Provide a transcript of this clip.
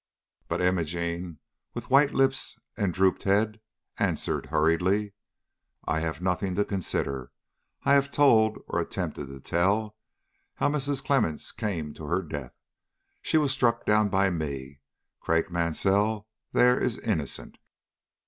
But Imogene, with white lips and drooped head, answered hurriedly: "I have nothing to consider. I have told, or attempted to tell, how Mrs. Clemmens came to her death. She was struck down by me; Craik Mansell there is innocent."